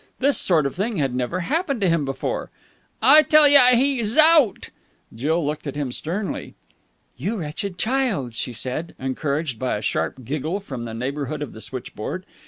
This sort of thing had never happened to him before. "I tell ya he zout!" Jill looked at him sternly. "You wretched child!" she said, encouraged by a sharp giggle from the neighbourhood of the switchboard.